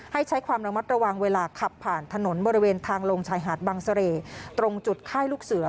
ให้ใช้ความระมัดระวังเวลาขับผ่านถนนบริเวณทางลงชายหาดบังเสร่ตรงจุดค่ายลูกเสือ